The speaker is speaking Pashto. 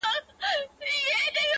ښکاري ولیده په تور کي زرکه بنده -